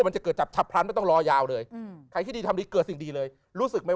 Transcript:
เป็นจะเกิดจับองผันต้องรอยาวเลยจะก็คือดีเลยรู้สึกไหม